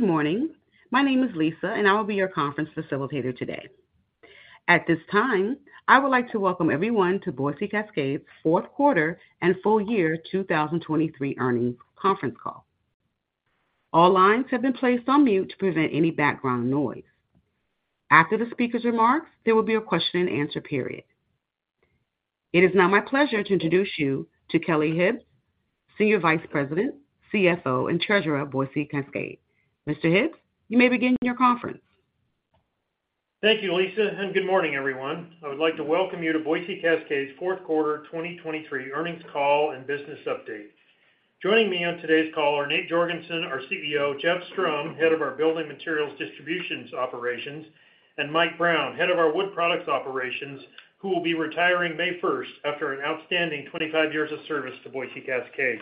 Good morning. My name is Lisa, and I will be your conference facilitator today. At this time, I would like to welcome everyone to Boise Cascade's Q4 and full year 2023 earnings conference call. All lines have been placed on mute to prevent any background noise. After the speaker's remarks, there will be a question-and-answer period. It is now my pleasure to introduce you to Kelly Hibbs, Senior Vice President, CFO, and Treasurer of Boise Cascade. Mr. Hibbs, you may begin your conference. Thank you, Lisa, and good morning, everyone. I would like to welcome you to Boise Cascade's Q4 2023 earnings call and business update. Joining me on today's call are Nate Jorgensen, our CEO, Jeff Strom, head of our Building Materials Distribution Operations, and Mike Brown, head of our Wood Products Operations, who will be retiring May 1st after an outstanding 25 years of service to Boise Cascade.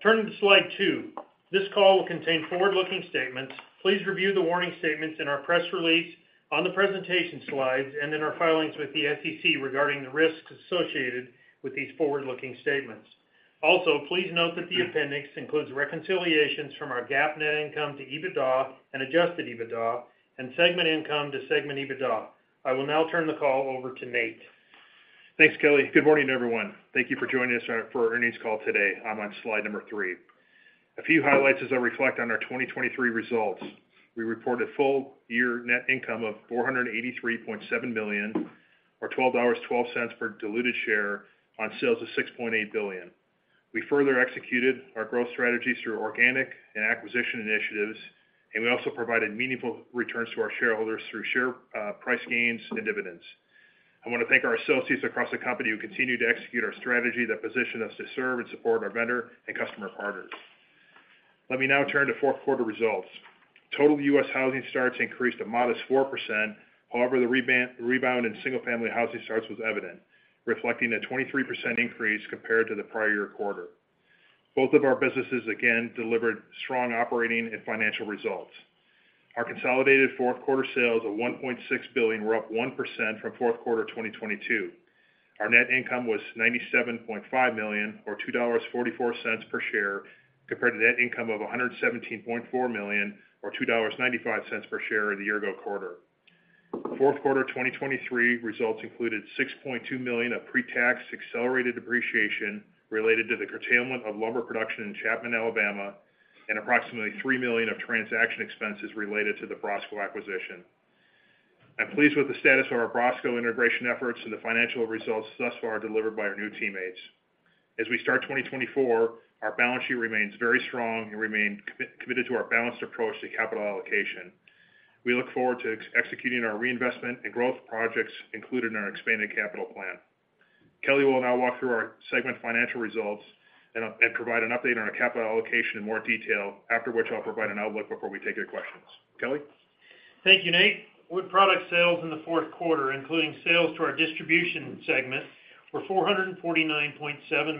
Turning to slide two. This call will contain forward-looking statements. Please review the warning statements in our press release, on the presentation slides, and in our filings with the SEC regarding the risks associated with these forward-looking statements. Also, please note that the appendix includes reconciliations from our GAAP net income to EBITDA and adjusted EBITDA, and segment income to segment EBITDA. I will now turn the call over to Nate. Thanks, Kelly. Good morning, everyone. Thank you for joining us for our earnings call today. I'm on slide number three. A few highlights as I reflect on our 2023 results. We reported full year net income of $483.7 million, or $12.12 per diluted share, on sales of $6.8 billion. We further executed our growth strategy through organic and acquisition initiatives, and we also provided meaningful returns to our shareholders through share price gains and dividends. I want to thank our associates across the company who continue to execute our strategy that positioned us to serve and support our vendor and customer partners. Let me now turn to Q4 results. Total U.S. housing starts increased a modest 4%; however, the rebound in single-family housing starts was evident, reflecting a 23% increase compared to the prior year quarter. Both of our businesses, again, delivered strong operating and financial results. Our consolidated Q4 sales of $1.6 billion were up 1% from Q4 2022. Our net income was $97.5 million, or $2.44 per share, compared to net income of $117.4 million, or $2.95 per share, in the year-ago quarter. Q4 2023 results included $6.2 million of pre-tax accelerated depreciation related to the curtailment of lumber production in Chapman, Alabama, and approximately $3 million of transaction expenses related to the BROSCO acquisition. I'm pleased with the status of our BROSCO integration efforts and the financial results thus far delivered by our new teammates. As we start 2024, our balance sheet remains very strong and we remain committed to our balanced approach to capital allocation. We look forward to executing our reinvestment and growth projects included in our expanded capital plan. Kelly will now walk through our segment financial results and provide an update on our capital allocation in more detail, after which I'll provide an outlook before we take your questions. Kelly? Thank you, Nate. Wood Products sales in Q4, including sales to our distribution segment, were $449.7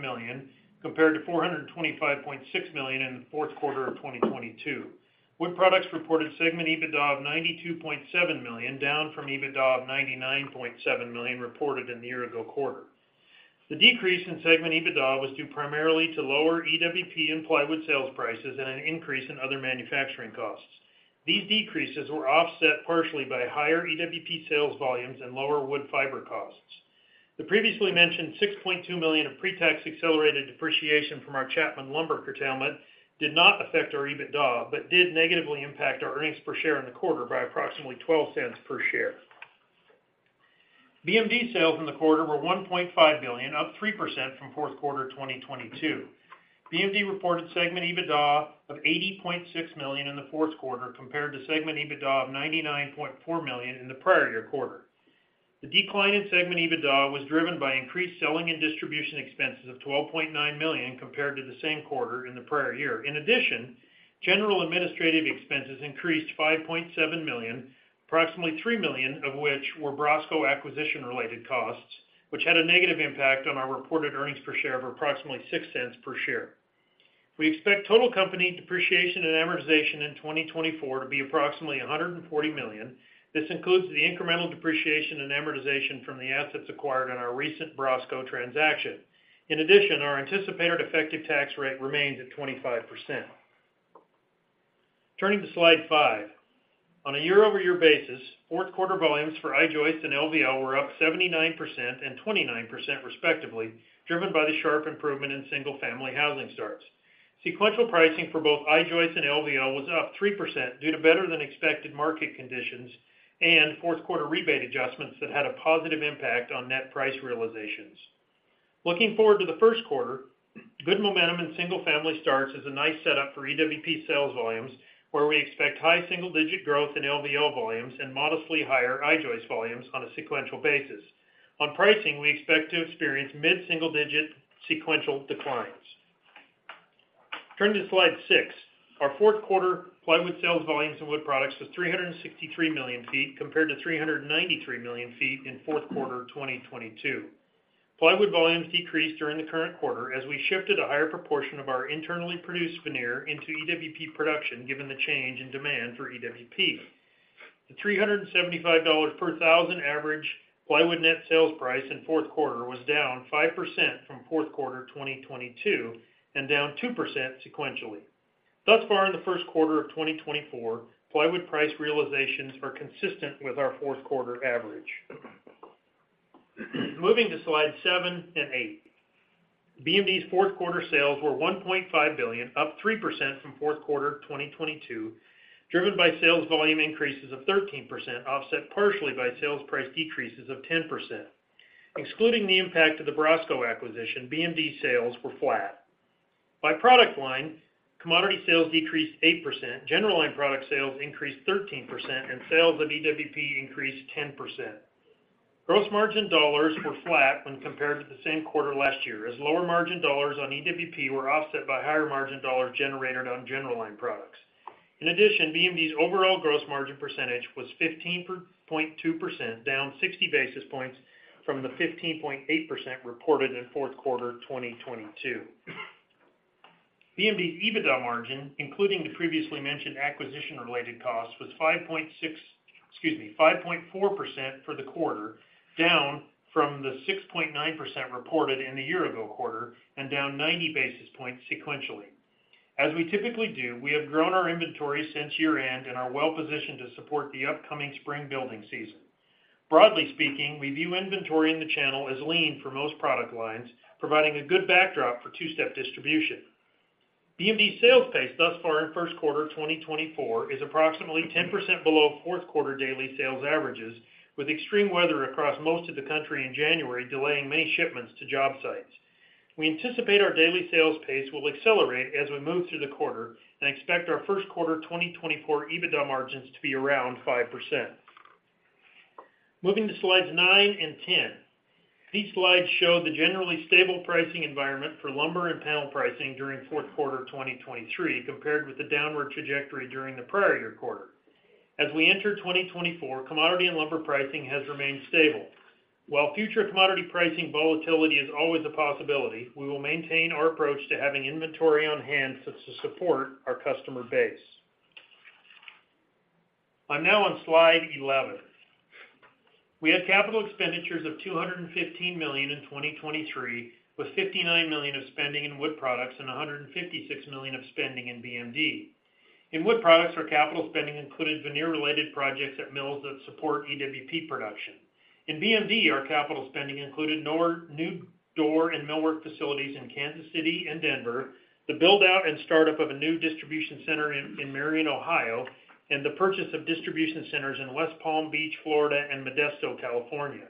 million compared to $425.6 million in Q4 of 2022. Wood Products reported segment EBITDA of $92.7 million, down from EBITDA of $99.7 million reported in the year-ago quarter. The decrease in segment EBITDA was due primarily to lower EWP and plywood sales prices and an increase in other manufacturing costs. These decreases were offset partially by higher EWP sales volumes and lower wood fiber costs. The previously mentioned $6.2 million of pre-tax accelerated depreciation from our Chapman lumber curtailment did not affect our EBITDA but did negatively impact our earnings per share in the quarter by approximately $0.12 per share. BMD sales in the quarter were $1.5 billion, up 3% from Q4 2022.BMD reported segment EBITDA of $80.6 million in Q4 compared to segment EBITDA of $99.4 million in the prior year quarter. The decline in segment EBITDA was driven by increased selling and distribution expenses of $12.9 million compared to the same quarter in the prior year. In addition, general administrative expenses increased $5.7 million, approximately $3 million of which were BROSCO acquisition-related costs, which had a negative impact on our reported earnings per share of approximately $0.06 per share. We expect total company depreciation and amortization in 2024 to be approximately $140 million. This includes the incremental depreciation and amortization from the assets acquired on our recent BROSCO transaction. In addition, our anticipated effective tax rate remains at 25%. Turning to slide five. On a year-over-year basis, Q4 volumes for I-joist and LVL were up 79% and 29% respectively, driven by the sharp improvement in single-family housing starts. Sequential pricing for both I-joist and LVL was up 3% due to better-than-expected market conditions and Q4 rebate adjustments that had a positive impact on net price realizations. Looking forward to the first quarter, good momentum in single-family starts is a nice setup for EWP sales volumes, where we expect high single-digit growth in LVL volumes and modestly higher I-joist volumes on a sequential basis. On pricing, we expect to experience mid-single-digit sequential declines. Turning to slide six. Our Q4 plywood sales volumes in Wood Products was 363 million feet compared to 393 million feet in Q4 2022.Plywood volumes decreased during the current quarter as we shifted a higher proportion of our internally produced veneer into EWP production given the change in demand for EWP. The $375 per thousand average plywood net sales price in Q4 was down 5% from Q4 2022 and down 2% sequentially. Thus far, in the first quarter of 2024, plywood price realizations are consistent with our Q4 average. Moving to slides seven and eight. BMD's Q4 sales were $1.5 billion, up 3% from Q4 2022, driven by sales volume increases of 13% offset partially by sales price decreases of 10%. Excluding the impact of the BROSCO acquisition, BMD sales were flat. By product line, commodity sales decreased 8%, general line product sales increased 13%, and sales of EWP increased 10%.Gross margin dollars were flat when compared to the same quarter last year, as lower margin dollars on EWP were offset by higher margin dollars generated on general line products. In addition, BMD's overall gross margin percentage was 15.2%, down 60 basis points from the 15.8% reported in Q4 2022. BMD's EBITDA margin, including the previously mentioned acquisition-related costs, was 5.4% for the quarter, down from the 6.9% reported in the year-ago quarter and down 90 basis points sequentially. As we typically do, we have grown our inventory since year-end and are well positioned to support the upcoming spring building season. Broadly speaking, we view inventory in the channel as lean for most product lines, providing a good backdrop for two-step distribution. BMD's sales pace thus far in first quarter 2024 is approximately 10% below Q4 daily sales averages, with extreme weather across most of the country in January delaying many shipments to job sites. We anticipate our daily sales pace will accelerate as we move through the quarter and expect our first quarter 2024 EBITDA margins to be around 5%. Moving to slides nine and 10. These slides show the generally stable pricing environment for lumber and panel pricing during Q4 2023 compared with the downward trajectory during the prior year quarter. As we enter 2024, commodity and lumber pricing has remained stable. While future commodity pricing volatility is always a possibility, we will maintain our approach to having inventory on hand to support our customer base. I'm now on slide 11. We had capital expenditures of $215 million in 2023, with $59 million of spending in Wood Products and $156 million of spending in BMD. In Wood Products, our capital spending included veneer-related projects at mills that support EWP production. In BMD, our capital spending included new door and millwork facilities in Kansas City and Denver, the build-out and startup of a new distribution center in Marion, Ohio, and the purchase of distribution centers in West Palm Beach, Florida, and Modesto, California.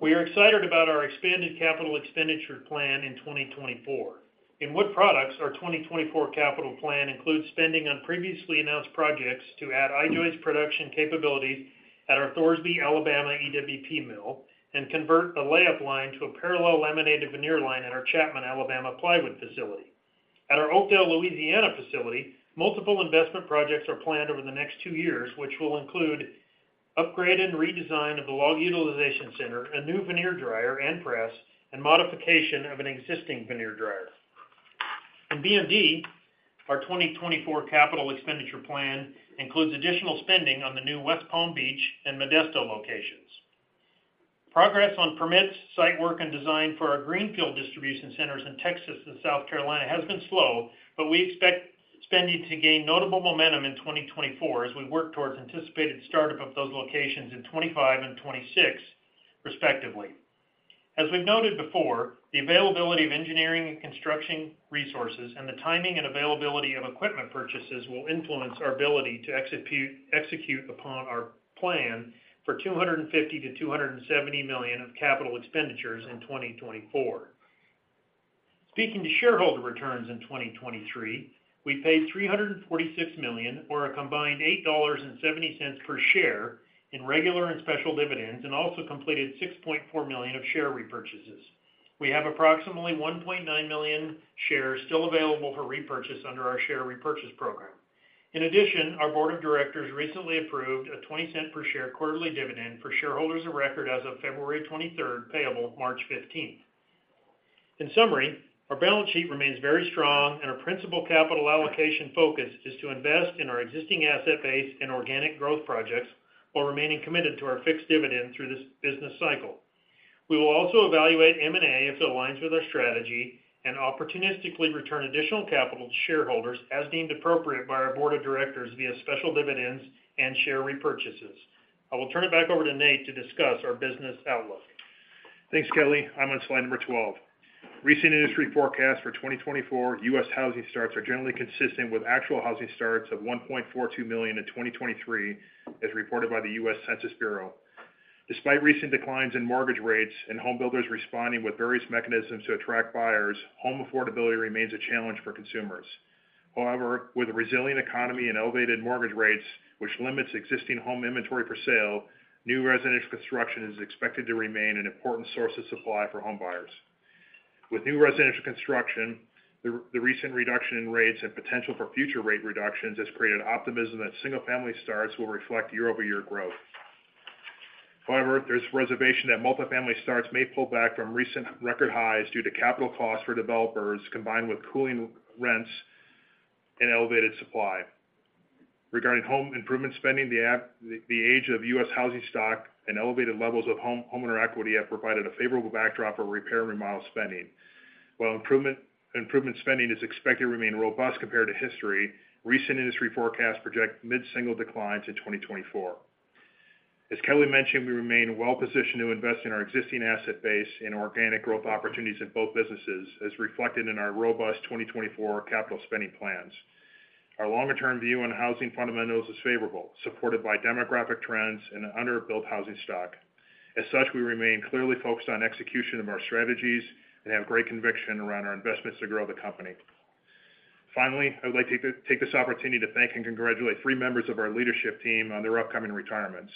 We are excited about our expanded capital expenditure plan in 2024. In Wood Products, our 2024 capital plan includes spending on previously announced projects to add I-joist production capabilities at our Thorsby, Alabama EWP mill and convert a layup line to a parallel laminated veneer line at our Chapman, Alabama plywood facility.At our Oakdale, Louisiana facility, multiple investment projects are planned over the next two years, which will include upgrade and redesign of the log utilization center, a new veneer dryer and press, and modification of an existing veneer dryer. In BMD, our 2024 capital expenditure plan includes additional spending on the new West Palm Beach and Modesto locations. Progress on permits, site work, and design for our greenfield distribution centers in Texas and South Carolina has been slow, but we expect spending to gain notable momentum in 2024 as we work towards anticipated startup of those locations in 2025 and 2026, respectively. As we've noted before, the availability of engineering and construction resources and the timing and availability of equipment purchases will influence our ability to execute upon our plan for $250 million-$270 million of capital expenditures in 2024.Speaking to shareholder returns in 2023, we paid $346 million, or a combined $8.70 per share, in regular and special dividends and also completed $6.4 million of share repurchases. We have approximately 1.9 million shares still available for repurchase under our share repurchase program. In addition, our board of directors recently approved a $0.20 per share quarterly dividend for shareholders of record as of February 23rd, payable March 15th. In summary, our balance sheet remains very strong, and our principal capital allocation focus is to invest in our existing asset base and organic growth projects while remaining committed to our fixed dividend through this business cycle. We will also evaluate M&A if it aligns with our strategy and opportunistically return additional capital to shareholders as deemed appropriate by our board of directors via special dividends and share repurchases.I will turn it back over to Nate to discuss our business outlook. Thanks, Kelly. I'm on slide number 12. Recent industry forecasts for 2024 U.S. housing starts are generally consistent with actual housing starts of $1.42 million in 2023, as reported by the U.S. Census Bureau. Despite recent declines in mortgage rates and home builders responding with various mechanisms to attract buyers, home affordability remains a challenge for consumers. However, with a resilient economy and elevated mortgage rates, which limits existing home inventory for sale, new residential construction is expected to remain an important source of supply for home buyers. With new residential construction, the recent reduction in rates and potential for future rate reductions has created optimism that single-family starts will reflect year-over-year growth. However, there's reservation that multifamily starts may pull back from recent record highs due to capital costs for developers, combined with cooling rents and elevated supply. Regarding home improvement spending, the age of U.S. Housing stock and elevated levels of homeowner equity have provided a favorable backdrop for repair and remodel spending. While improvement spending is expected to remain robust compared to history, recent industry forecasts project mid-single declines in 2024. As Kelly mentioned, we remain well positioned to invest in our existing asset base and organic growth opportunities in both businesses, as reflected in our robust 2024 capital spending plans. Our longer-term view on housing fundamentals is favorable, supported by demographic trends and underbuilt housing stock. As such, we remain clearly focused on execution of our strategies and have great conviction around our investments to grow the company. Finally, I would like to take this opportunity to thank and congratulate three members of our leadership team on their upcoming retirements.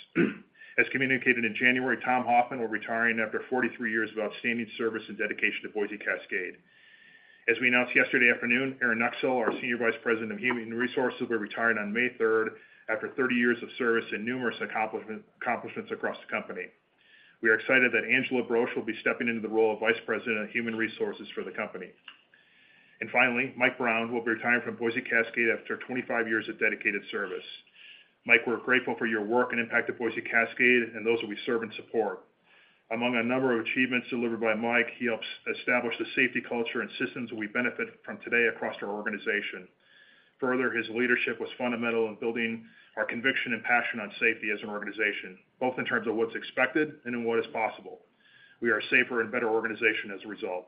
As communicated in January, Tom Hoffman will be retiring after 43 years of outstanding service and dedication to Boise Cascade.As we announced yesterday afternoon, Erin Nuxoll, our Senior Vice President of Human Resources, will be retiring on May 3rd after 30 years of service and numerous accomplishments across the company. We are excited that Angella Broesch will be stepping into the role of Vice President of Human Resources for the company. And finally, Mike Brown will be retiring from Boise Cascade after 25 years of dedicated service. Mike, we're grateful for your work and impact at Boise Cascade and those that we serve and support. Among a number of achievements delivered by Mike, he helped establish the safety culture and systems that we benefit from today across our organization. Further, his leadership was fundamental in building our conviction and passion on safety as an organization, both in terms of what's expected and in what is possible. We are a safer and better organization as a result.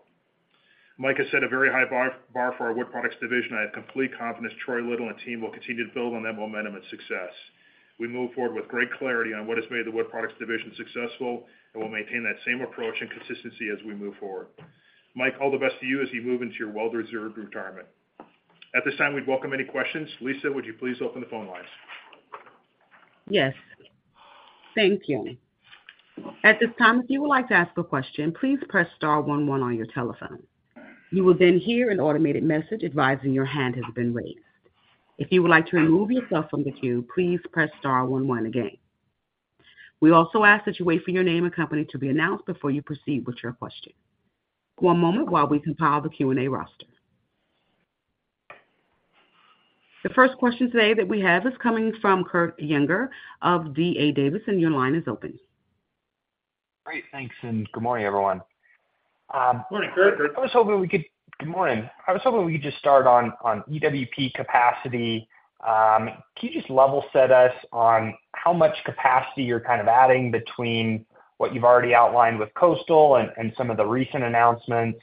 Mike has set a very high bar for our Wood Products division. I have complete confidence Troy Little and team will continue to build on that momentum and success. We move forward with great clarity on what has made the Wood Products division successful, and we'll maintain that same approach and consistency as we move forward. Mike, all the best to you as you move into your well-reserved retirement. At this time, we'd welcome any questions. Lisa, would you please open the phone lines? Yes. Thank you. At this time, if you would like to ask a question, please press star one one on your telephone. You will then hear an automated message advising your hand has been raised. If you would like to remove yourself from the queue, please press star one one again. We also ask that you wait for your name and company to be announced before you proceed with your question. One moment while we compile the Q&A roster. The first question today that we have is coming from Kurt Yinger of D.A. Davidson, and your line is open. Great. Thanks. Good morning, everyone. Morning, Kurt. Good morning. I was hoping we could just start on EWP capacity. Can you just level set us on how much capacity you're kind of adding between what you've already outlined with Coastal and some of the recent announcements?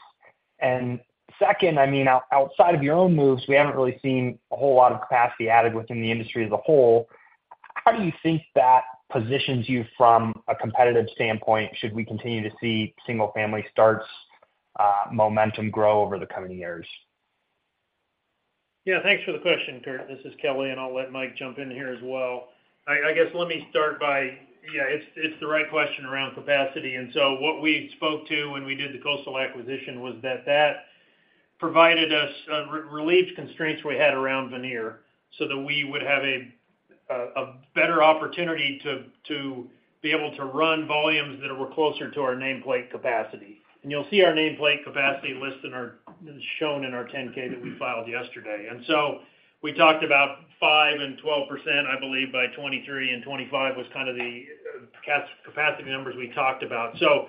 And second, I mean, outside of your own moves, we haven't really seen a whole lot of capacity added within the industry as a whole. How do you think that positions you from a competitive standpoint, should we continue to see single-family starts momentum grow over the coming years? Yeah. Thanks for the question, Kurt. This is Kelly, and I'll let Mike jump in here as well. I guess let me start by yeah, it's the right question around capacity. And so what we spoke to when we did the Coastal acquisition was that that relieved constraints we had around veneer so that we would have a better opportunity to be able to run volumes that were closer to our nameplate capacity. And you'll see our nameplate capacity listed shown in our 10-K that we filed yesterday. And so we talked about 5% and 12%, I believe, by 2023 and 2025 was kind of the capacity numbers we talked about. So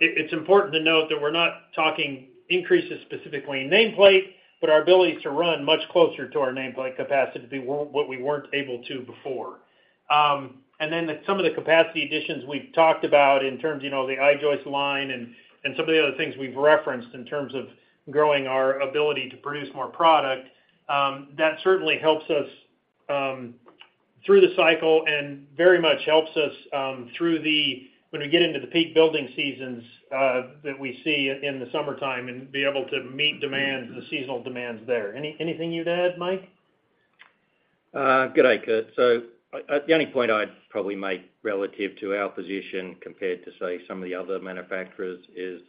it's important to note that we're not talking increases specifically in nameplate, but our ability to run much closer to our nameplate capacity to be what we weren't able to before. And then some of the capacity additions we've talked about in terms of the I-joist line and some of the other things we've referenced in terms of growing our ability to produce more product, that certainly helps us through the cycle and very much helps us through the when we get into the peak building seasons that we see in the summertime and be able to meet the seasonal demands there. Anything you'd add, Mike? Good idea. So the only point I'd probably make relative to our position compared to, say, some of the other manufacturers is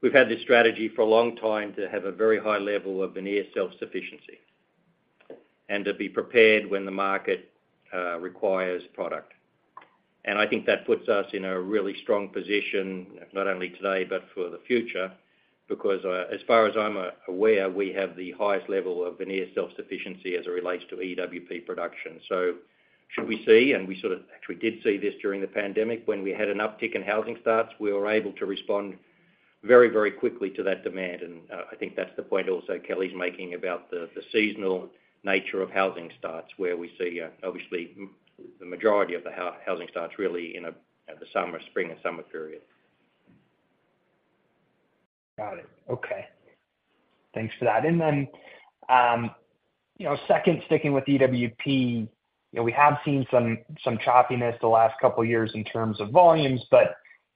we've had this strategy for a long time to have a very high level of veneer self-sufficiency and to be prepared when the market requires product. And I think that puts us in a really strong position not only today but for the future because, as far as I'm aware, we have the highest level of veneer self-sufficiency as it relates to EWP production. So should we see and we sort of actually did see this during the pandemic. When we had an uptick in housing starts, we were able to respond very, very quickly to that demand. I think that's the point also Kelly's making about the seasonal nature of housing starts where we see, obviously, the majority of the housing starts really in the spring and summer period. Got it. Okay. Thanks for that. And then second, sticking with EWP, we have seen some choppiness the last couple of years in terms of volumes. But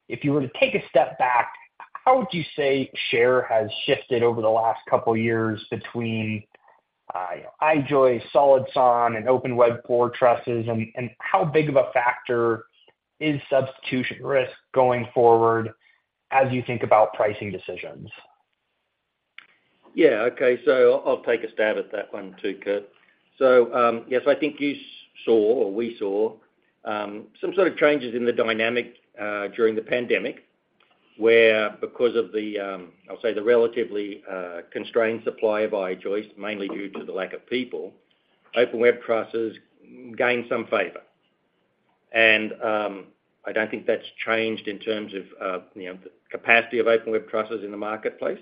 if you were to take a step back, how would you say share has shifted over the last couple of years between SolidStart, and open web floor trusses? And how big of a factor is substitution risk going forward as you think about pricing decisions? Yeah. Okay. So I'll take a stab at that one too, Kurt. So yes, I think you saw or we saw some sort of changes in the dynamic during the pandemic where, because of the, I'll say, the relatively constrained supply of I-joist, mainly due to the lack of people, open web floor trusses gained some favor. And I don't think that's changed in terms of the capacity of open web floor trusses in the marketplace.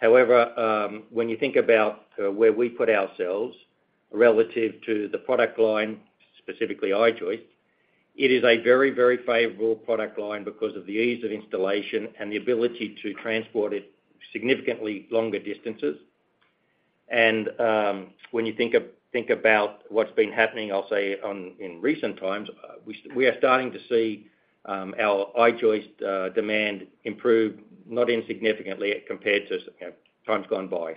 However, when you think about where we put ourselves relative to the product line, specifically I-joist, it is a very, very favorable product line because of the ease of installation and the ability to transport it significantly longer distances. And when you think about what's been happening, I'll say, in recent times, we are starting to see our I-joist demand improve, not insignificantly, compared to times gone by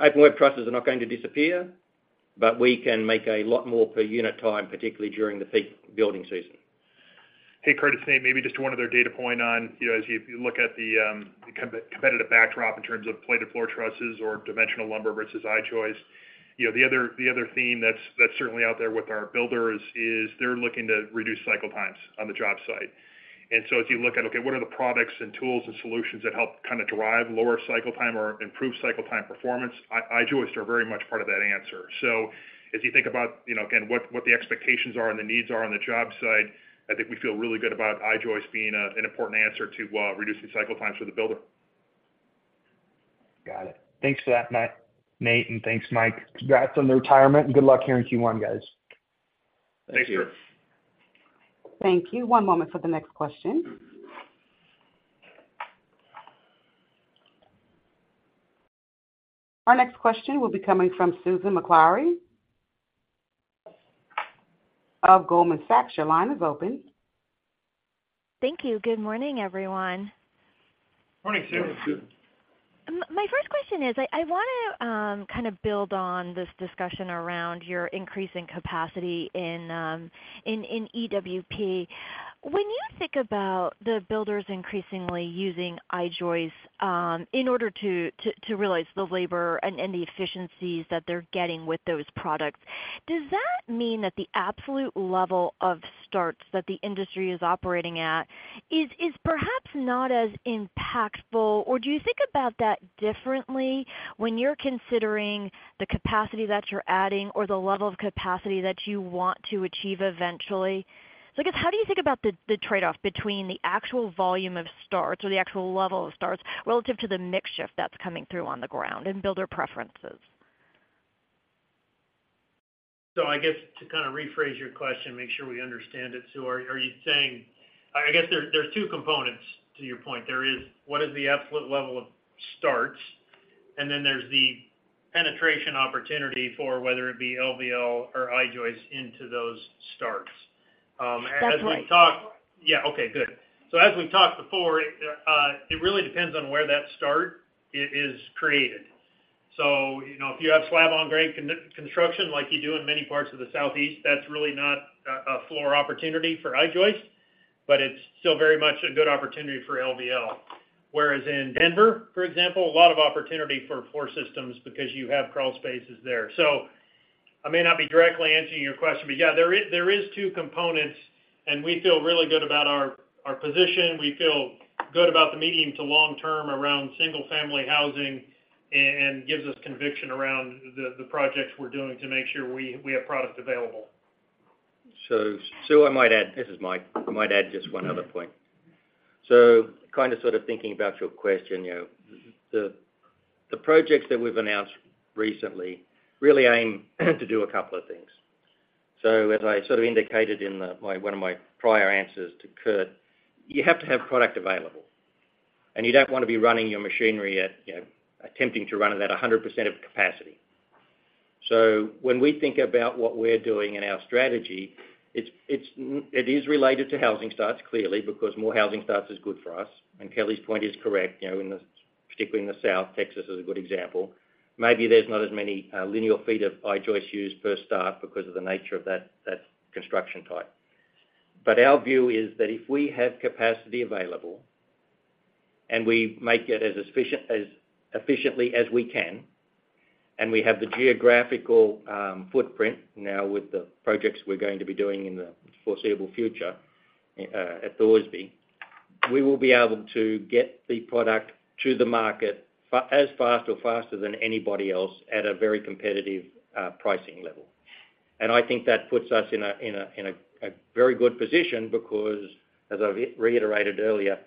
open web trusses are not going to disappear, but we can make a lot more per unit time, particularly during the peak building season. Hey, Kurt, it's Nate. Maybe just one other data point on as you look at the competitive backdrop in terms of open web floor trusses or dimensional lumber versus I-joist, the other theme that's certainly out there with our builders is they're looking to reduce cycle times on the job site. And so as you look at, okay, what are the products and tools and solutions that help kind of drive lower cycle time or improve cycle time performance, I-joist are very much part of that answer. So as you think about, again, what the expectations are and the needs are on the job site, I think we feel really good about I-joist being an important answer to reducing cycle times for the builder. Got it. Thanks for that, Nate. Thanks, Mike. Congrats on the retirement, and good luck here in Q1, guys. Thanks, Kurt. Thank you. One moment for the next question. Our next question will be coming from Susan Maklari of Goldman Sachs. Your line is open. Thank you. Good morning, everyone. Morning, Susan. My first question is I want to kind of build on this discussion around your increase in capacity in EWP. When you think about the builders increasingly using I-joist in order to realize the labor and the efficiencies that they're getting with those products, does that mean that the absolute level of starts that the industry is operating at is perhaps not as impactful? Or do you think about that differently when you're considering the capacity that you're adding or the level of capacity that you want to achieve eventually? So I guess how do you think about the trade-off between the actual volume of starts or the actual level of starts relative to the makeup that's coming through on the ground and builder preferences? So, I guess, to kind of rephrase your question, make sure we understand it, so are you saying I guess there's two components to your point. There is what is the absolute level of starts, and then there's the penetration opportunity for whether it be LVL or I-joist into those starts. That's right. As we've talked yeah, okay. Good. So as we've talked before, it really depends on where that start is created. So if you have slab-on-grade construction like you do in many parts of the Southeast, that's really not a floor opportunity for I-joist, but it's still very much a good opportunity for LVL. Whereas in Denver, for example, a lot of opportunity for floor systems because you have crawl spaces there. So I may not be directly answering your question, but yeah, there is two components. And we feel really good about our position. We feel good about the medium to long term around single-family housing and gives us conviction around the projects we're doing to make sure we have product available. So, I might add, this is Mike. I might add just one other point. So kind of sort of thinking about your question, the projects that we've announced recently really aim to do a couple of things. So as I sort of indicated in one of my prior answers to Kurt, you have to have product available, and you don't want to be running your machinery at attempting to run at that 100% of capacity. So when we think about what we're doing in our strategy, it is related to housing starts clearly because more housing starts is good for us. And Kelly's point is correct. Particularly in the South, Texas is a good example. Maybe there's not as many linear feet of I-joist used per start because of the nature of that construction type. But our view is that if we have capacity available and we make it as efficiently as we can and we have the geographical footprint now with the projects we're going to be doing in the foreseeable future at Thorsby, we will be able to get the product to the market as fast or faster than anybody else at a very competitive pricing level. And I think that puts us in a very good position because, as I've reiterated earlier,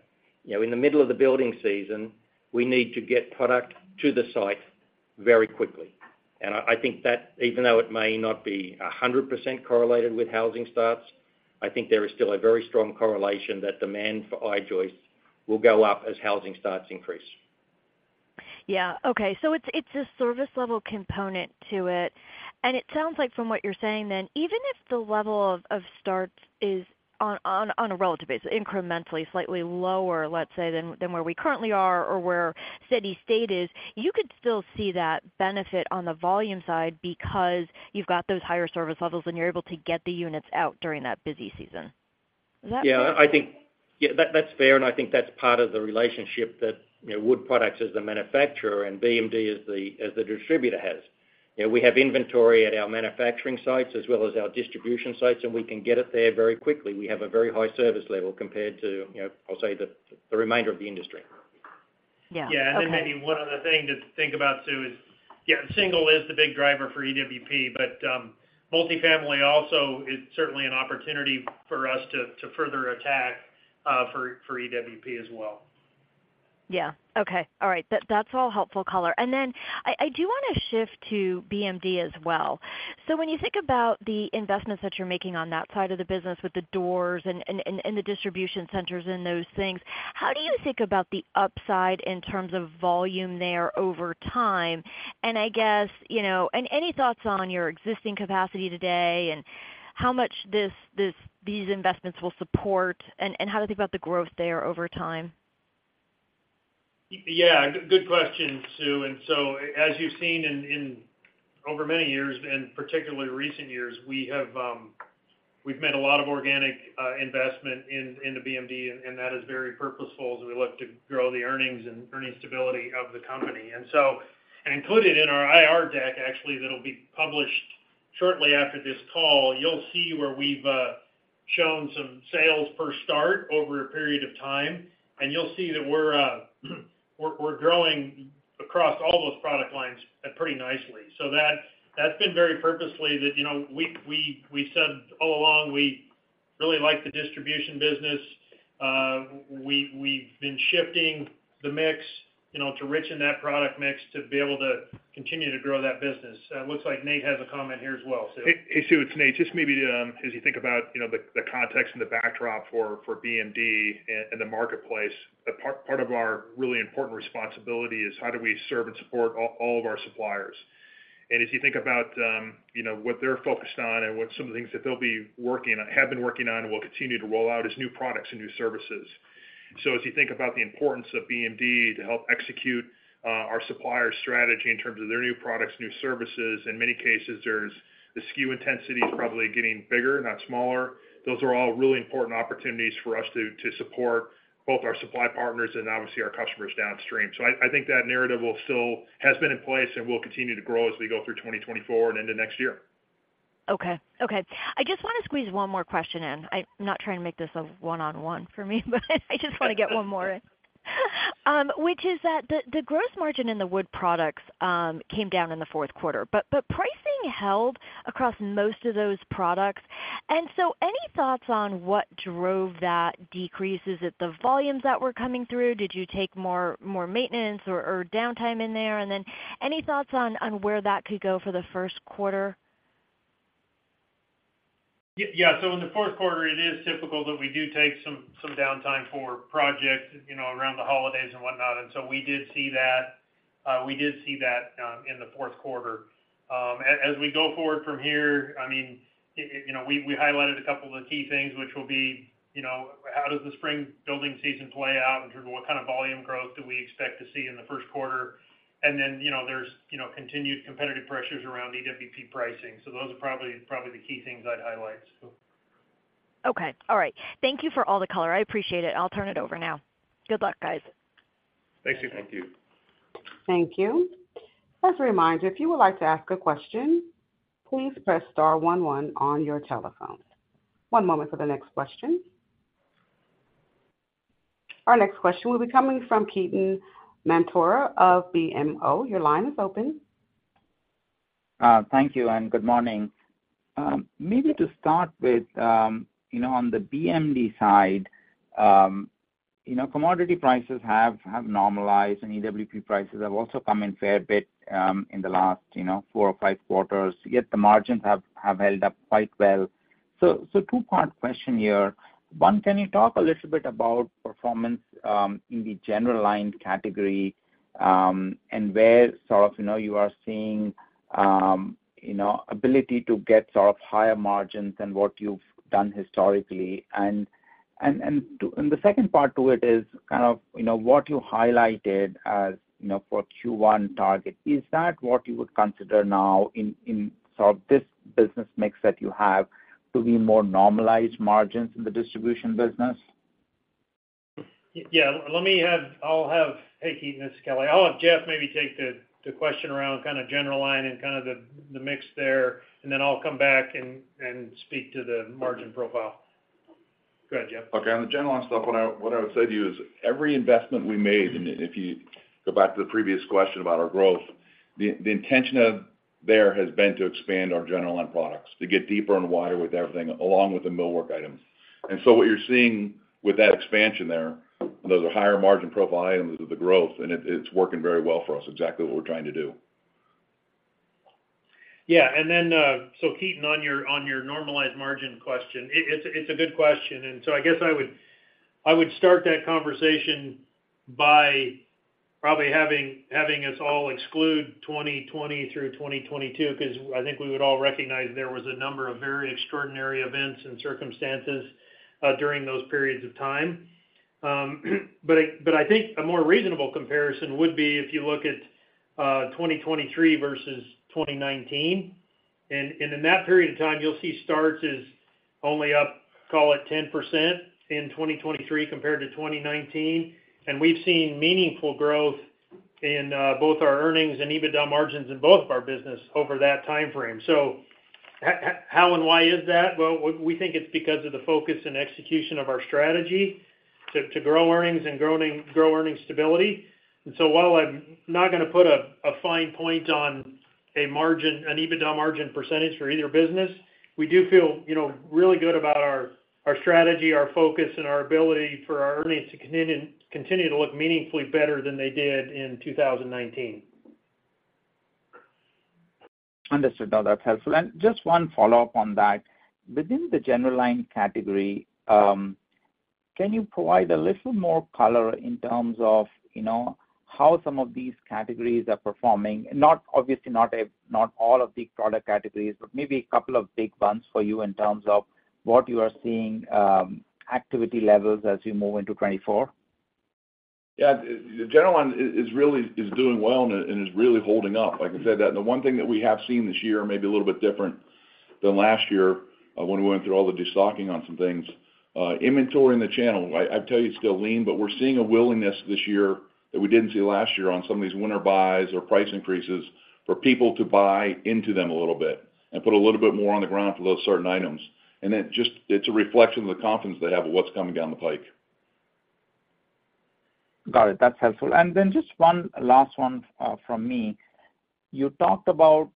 in the middle of the building season, we need to get product to the site very quickly. And I think that even though it may not be 100% correlated with housing starts, I think there is still a very strong correlation that demand for I-joist will go up as housing starts increase. Yeah. Okay. It's a service-level component to it. It sounds like from what you're saying then, even if the level of starts is on a relative basis, incrementally, slightly lower, let's say, than where we currently are or where steady state is, you could still see that benefit on the volume side because you've got those higher service levels and you're able to get the units out during that busy season. Is that fair? Yeah. Yeah. That's fair. And I think that's part of the relationship that Wood Products as the manufacturer and BMD as the distributor has. We have inventory at our manufacturing sites as well as our distribution sites, and we can get it there very quickly. We have a very high service level compared to, I'll say, the remainder of the industry. Yeah. Then maybe one other thing to think about, too, is yeah, single is the big driver for EWP, but multifamily also is certainly an opportunity for us to further attack for EWP as well. Yeah. Okay. All right. That's all helpful, color. And then I do want to shift to BMD as well. So when you think about the investments that you're making on that side of the business with the doors and the distribution centers and those things, how do you think about the upside in terms of volume there over time? And I guess any thoughts on your existing capacity today and how much these investments will support and how to think about the growth there over time? Yeah. Good question, Susan. And so as you've seen over many years and particularly recent years, we've made a lot of organic investment into BMD, and that is very purposeful as we look to grow the earnings and earnings stability of the company. And included in our IR deck, actually, that'll be published shortly after this call, you'll see where we've shown some sales per start over a period of time. And you'll see that we're growing across all those product lines pretty nicely. So that's been very purposely that we've said all along, "We really like the distribution business. We've been shifting the mix to richen that product mix to be able to continue to grow that business." It looks like Nate has a comment here as well, Susan. Hey, Susan. It's Nate. Just maybe as you think about the context and the backdrop for BMD and the marketplace, part of our really important responsibility is how do we serve and support all of our suppliers. As you think about what they're focused on and some of the things that they'll be working on and will continue to roll out is new products and new services. As you think about the importance of BMD to help execute our supplier strategy in terms of their new products, new services, in many cases, the SKU intensity is probably getting bigger, not smaller. Those are all really important opportunities for us to support both our supply partners and, obviously, our customers downstream. I think that narrative has been in place and will continue to grow as we go through 2024 and into next year. Okay. Okay. I just want to squeeze one more question in. I'm not trying to make this a one-on-one for me, but I just want to get one more in, which is that the gross margin in the wood products came down in Q4, but pricing held across most of those products. And so any thoughts on what drove that decrease? Is it the volumes that were coming through? Did you take more maintenance or downtime in there? And then any thoughts on where that could go for the first quarter? Yeah. So in Q4, it is typical that we do take some downtime for projects around the holidays and whatnot. And so we did see that. We did see that in Q4. As we go forward from here, I mean, we highlighted a couple of the key things, which will be how does the spring building season play out in terms of what kind of volume growth do we expect to see in the first quarter? And then there's continued competitive pressures around EWP pricing. So those are probably the key things I'd highlight, Sue. Okay. All right. Thank you for all the color. I appreciate it. I'll turn it over now. Good luck, guys. Thanks, Sue. Thank you. Thank you. As a reminder, if you would like to ask a question, please press star one one on your telephone. One moment for the next question. Our next question will be coming from Ketan Mamtora of BMO. Your line is open. Thank you and good morning. Maybe to start with, on the BMD side, commodity prices have normalized, and EWP prices have also come in a fair bit in the last four or five quarters. Yet, the margins have held up quite well. So two-part question here. One, can you talk a little bit about performance in the general line category and where sort of you are seeing ability to get sort of higher margins than what you've done historically? And the second part to it is kind of what you highlighted for Q1 target; is that what you would consider now in sort of this business mix that you have to be more normalized margins in the distribution business? Yeah. I'll have, hey, Ketan, this is Kelly. I'll have Jeff maybe take the question around kind of general line and kind of the mix there, and then I'll come back and speak to the margin profile. Go ahead, Jeff. Okay. On the general line stuff, what I would say to you is every investment we made and if you go back to the previous question about our growth, the intention there has been to expand our general line products, to get deeper and wider with everything along with the millwork items. And so what you're seeing with that expansion there, those are higher margin profile items of the growth, and it's working very well for us, exactly what we're trying to do. Yeah. Ketan, on your normalized margin question, it's a good question. I guess I would start that conversation by probably having us all exclude 2020 through 2022 because I think we would all recognize there was a number of very extraordinary events and circumstances during those periods of time. But I think a more reasonable comparison would be if you look at 2023 versus 2019. In that period of time, you'll see starts is only up, call it, 10% in 2023 compared to 2019. We've seen meaningful growth in both our earnings and EBITDA margins in both of our business over that time frame. So how and why is that? Well, we think it's because of the focus and execution of our strategy to grow earnings and grow earnings stability. And so while I'm not going to put a fine point on an EBITDA margin percentage for either business, we do feel really good about our strategy, our focus, and our ability for our earnings to continue to look meaningfully better than they did in 2019. Understood. No, that's helpful. And just one follow-up on that. Within the general line category, can you provide a little more color in terms of how some of these categories are performing? Obviously, not all of the product categories, but maybe a couple of big ones for you in terms of what you are seeing activity levels as you move into 2024? Yeah. The general line is really doing well and is really holding up, like I said. The one thing that we have seen this year may be a little bit different than last year when we went through all the de-stocking on some things. Inventory in the channel, I'd tell you it's still lean, but we're seeing a willingness this year that we didn't see last year on some of these winter buys or price increases for people to buy into them a little bit and put a little bit more on the ground for those certain items. It's a reflection of the confidence they have of what's coming down the pike. Got it. That's helpful. Then just one last one from me. You talked about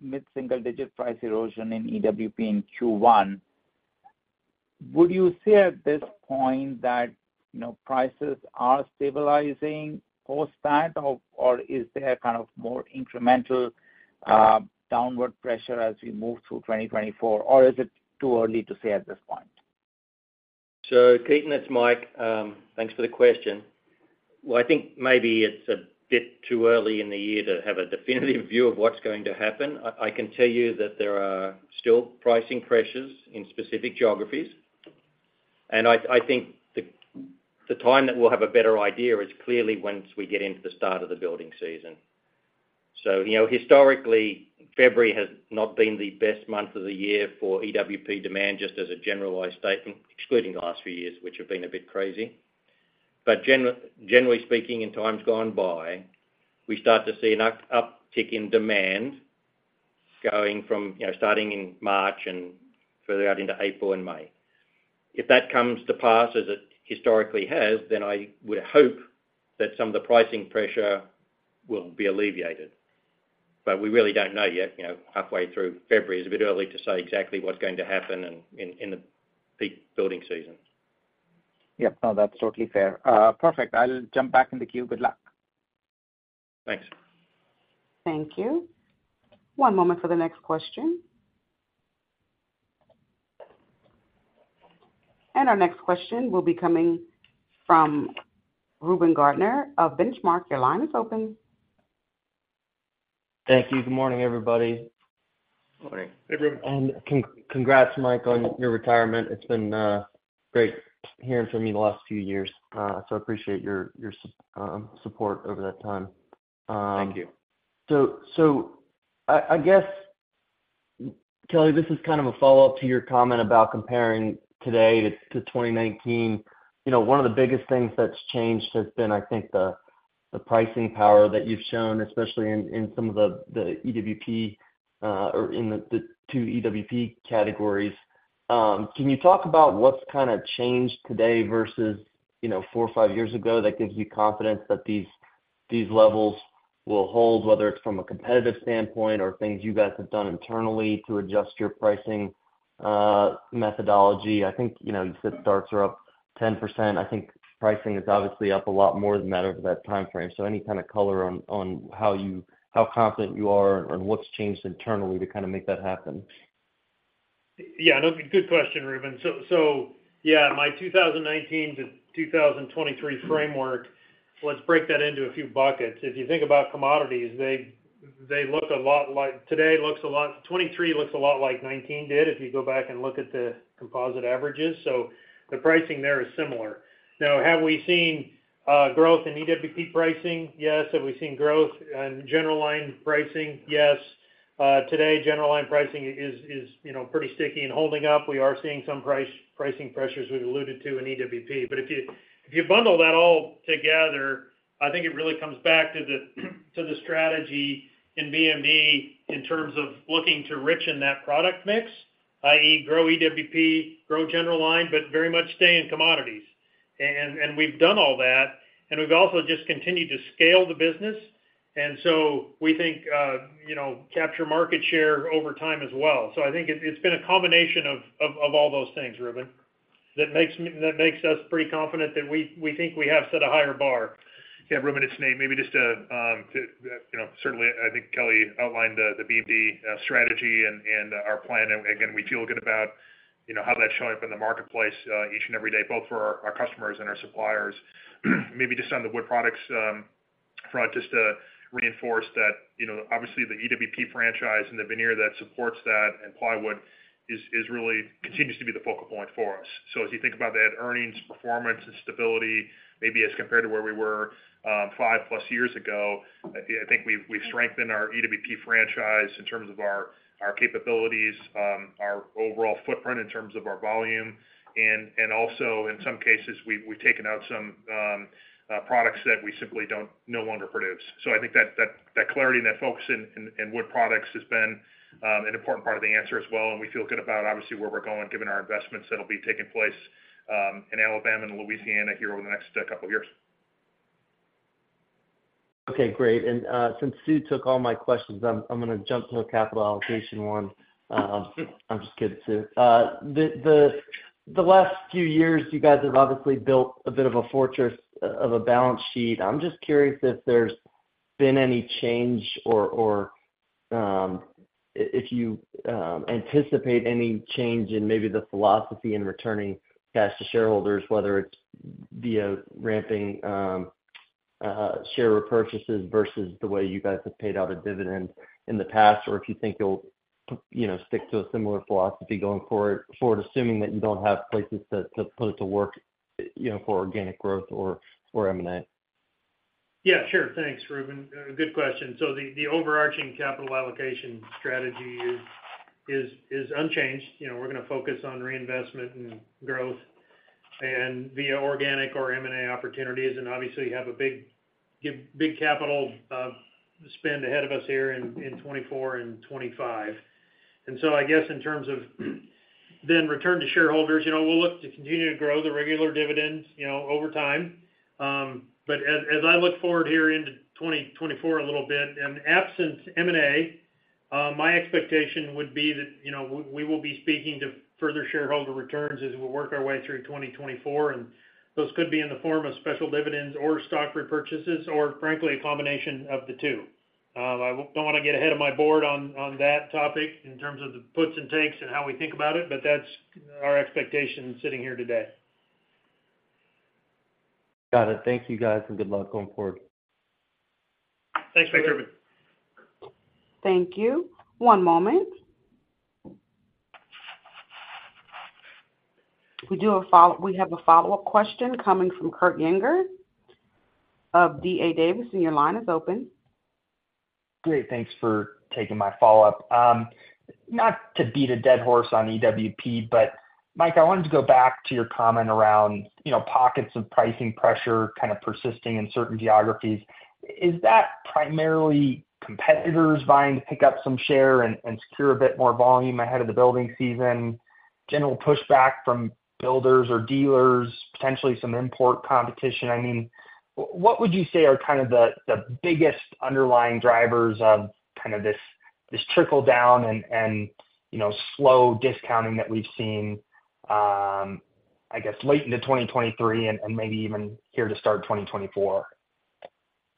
mid-single-digit price erosion in EWP in Q1. Would you say at this point that prices are stabilizing post that, or is there kind of more incremental downward pressure as we move through 2024, or is it too early to say at this point? So Ketan, it's Mike. Thanks for the question. Well, I think maybe it's a bit too early in the year to have a definitive view of what's going to happen. I can tell you that there are still pricing pressures in specific geographies. And I think the time that we'll have a better idea is clearly once we get into the start of the building season. So historically, February has not been the best month of the year for EWP demand just as a generalized statement, excluding the last few years, which have been a bit crazy. But generally speaking, in times gone by, we start to see an uptick in demand starting in March and further out into April and May. If that comes to pass as it historically has, then I would hope that some of the pricing pressure will be alleviated. But we really don't know yet. Halfway through February, it's a bit early to say exactly what's going to happen in the peak building season. Yep. No, that's totally fair. Perfect. I'll jump back in the queue. Good luck. Thanks. Thank you. One moment for the next question. Our next question will be coming from Reuben Garner of Benchmark. Your line is open. Thank you. Good morning, everybody. Morning. Hey, Ruben. Congrats, Mike, on your retirement. It's been great hearing from you the last few years. I appreciate your support over that time. Thank you. So I guess, Kelly, this is kind of a follow-up to your comment about comparing today to 2019. One of the biggest things that's changed has been, I think, the pricing power that you've shown, especially in some of the EWP or in the two EWP categories. Can you talk about what's kind of changed today versus four or five years ago that gives you confidence that these levels will hold, whether it's from a competitive standpoint or things you guys have done internally to adjust your pricing methodology? I think you said starts are up 10%. I think pricing is obviously up a lot more than that over that time frame. So any kind of color on how confident you are and what's changed internally to kind of make that happen? Yeah. No, good question, Reuben. So yeah, my 2019 to 2023 framework, let's break that into a few buckets. If you think about commodities, they look a lot like today. 2023 looks a lot like 2019 did if you go back and look at the composite averages. So the pricing there is similar. Now, have we seen growth in EWP pricing? Yes. Have we seen growth in general line pricing? Yes. Today, general line pricing is pretty sticky and holding up. We are seeing some pricing pressures we've alluded to in EWP. But if you bundle that all together, I think it really comes back to the strategy in BMD in terms of looking to richen that product mix, i.e., grow EWP, grow general line, but very much stay in commodities. And we've done all that. And we've also just continued to scale the business. And so we think capture market share over time as well. So I think it's been a combination of all those things, Ruben, that makes us pretty confident that we think we have set a higher bar. Yeah, Ruben, it's Nate. Maybe just to certainly, I think Kelly outlined the BMD strategy and our plan. And again, we feel good about how that's showing up in the marketplace each and every day, both for our customers and our suppliers. Maybe just on the wood products front, just to reinforce that, obviously, the EWP franchise and the veneer that supports that and plywood continues to be the focal point for us. So as you think about that, earnings, performance, and stability, maybe as compared to where we were 5+ years ago, I think we've strengthened our EWP franchise in terms of our capabilities, our overall footprint in terms of our volume. And also, in some cases, we've taken out some products that we simply no longer produce. So I think that clarity and that focus in wood products has been an important part of the answer as well. And we feel good about, obviously, where we're going given our investments that'll be taking place in Alabama and Louisiana here over the next couple of years. Okay. Great. And since Sue took all my questions, I'm going to jump to a capital allocation one. I'm just kidding, Sue. The last few years, you guys have obviously built a bit of a fortress of a balance sheet. I'm just curious if there's been any change or if you anticipate any change in maybe the philosophy in returning cash to shareholders, whether it's via ramping share repurchases versus the way you guys have paid out a dividend in the past, or if you think you'll stick to a similar philosophy going forward, assuming that you don't have places to put it to work for organic growth or M&A? Yeah. Sure. Thanks, Reuben. Good question. So the overarching capital allocation strategy is unchanged. We're going to focus on reinvestment and growth via organic or M&A opportunities. And obviously, you have a big capital spend ahead of us here in 2024 and 2025. And so I guess in terms of then return to shareholders, we'll look to continue to grow the regular dividends over time. But as I look forward here into 2024 a little bit, in absence of M&A, my expectation would be that we will be speaking to further shareholder returns as we work our way through 2024. And those could be in the form of special dividends or stock repurchases or, frankly, a combination of the two.I don't want to get ahead of my board on that topic in terms of the puts and takes and how we think about it, but that's our expectation sitting here today. Got it. Thank you, guys, and good luck going forward. Thank you. Thank you. One moment. We have a follow-up question coming from Kurt Yinger of D.A. Davidson. Your line is open. Great. Thanks for taking my follow-up. Not to beat a dead horse on EWP, but Mike, I wanted to go back to your comment around pockets of pricing pressure kind of persisting in certain geographies. Is that primarily competitors vying to pick up some share and secure a bit more volume ahead of the building season, general pushback from builders or dealers, potentially some import competition? I mean, what would you say are kind of the biggest underlying drivers of kind of this trickle-down and slow discounting that we've seen, I guess, late into 2023 and maybe even here to start 2024?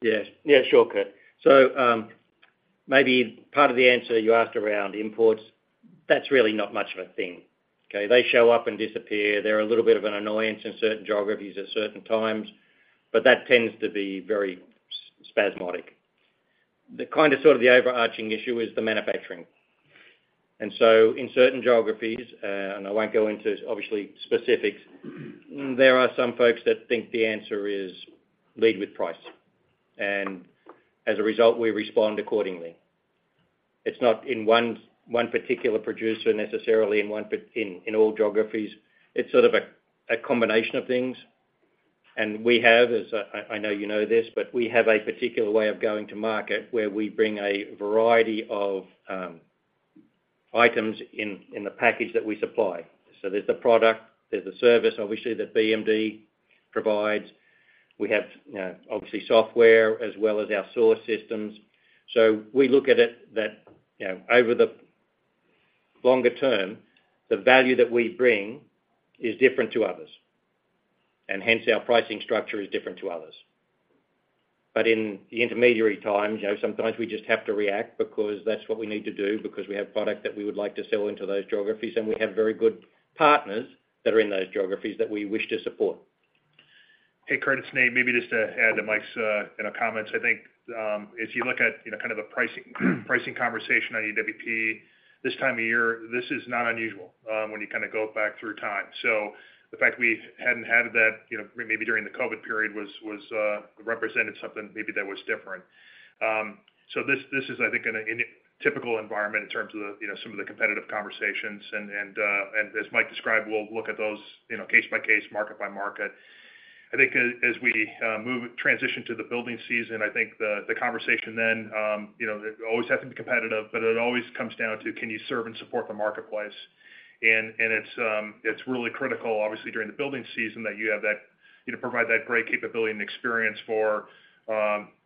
Yeah. Yeah, sure, Kurt. So maybe part of the answer you asked around imports, that's really not much of a thing. Okay? They show up and disappear. They're a little bit of an annoyance in certain geographies at certain times, but that tends to be very spasmodic. The kind of sort of the overarching issue is the manufacturing. And so in certain geographies, and I won't go into, obviously, specifics, there are some folks that think the answer is lead with price. And as a result, we respond accordingly. It's not in one particular producer necessarily in all geographies. It's sort of a combination of things. And we have, as I know you know this, but we have a particular way of going to market where we bring a variety of items in the package that we supply. So there's the product. There's the service, obviously, that BMD provides. We have, obviously, software as well as our source systems. So we look at it that over the longer term, the value that we bring is different to others. And hence, our pricing structure is different to others. But in the intermediary times, sometimes we just have to react because that's what we need to do because we have product that we would like to sell into those geographies, and we have very good partners that are in those geographies that we wish to support. Hey, Kurt, it's Nate. Maybe just to add to Mike's comments, I think if you look at kind of the pricing conversation on EWP this time of year, this is not unusual when you kind of go back through time. So the fact we hadn't had that maybe during the COVID period represented something maybe that was different. So this is, I think, in a typical environment in terms of some of the competitive conversations. And as Mike described, we'll look at those case by case, market by market. I think as we transition to the building season, I think the conversation then it always has to be competitive, but it always comes down to, can you serve and support the marketplace? And it's really critical, obviously, during the building season that you have that provide that great capability and experience for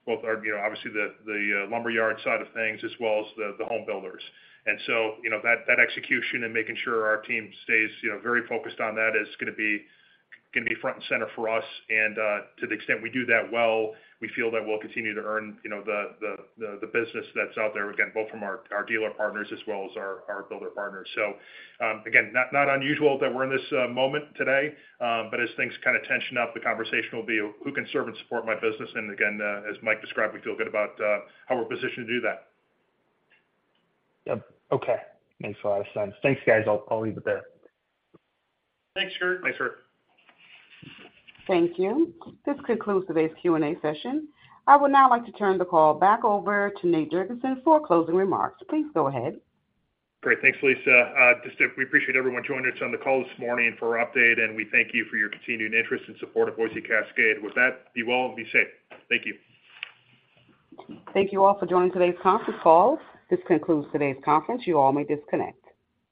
both, obviously, the lumber yard side of things as well as the home builders. And so that execution and making sure our team stays very focused on that is going to be front and center for us. And to the extent we do that well, we feel that we'll continue to earn the business that's out there, again, both from our dealer partners as well as our builder partners. So again, not unusual that we're in this moment today. But as things kind of tension up, the conversation will be, who can serve and support my business? And again, as Mike described, we feel good about how we're positioned to do that. Yep. Okay. Makes a lot of sense. Thanks, guys. I'll leave it there. Thanks, Kurt. Thanks, Kurt. Thank you. This concludes today's Q&A session. I would now like to turn the call back over to Nate Jorgensen for closing remarks. Please go ahead. Great. Thanks, Lisa. We appreciate everyone joining us on the call this morning for our update, and we thank you for your continued interest and support of Boise Cascade. With that, you all be safe. Thank you. Thank you all for joining today's conference call. This concludes today's conference. You all may disconnect.